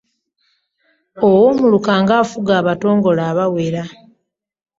Owoomuluka ng’afuga Abatongole abawera.